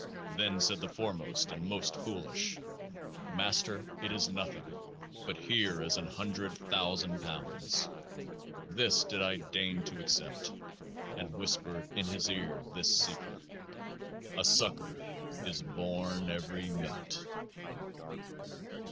Then said the foremost and most foolish ; Master, it is nothing ; but here is an hundred thousand pounds. This did I deign to accept, and whispered in his ear this secret : A SUCKER IS BORN EVERY MINUTE.